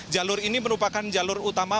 jalur ini merupakan jalur utama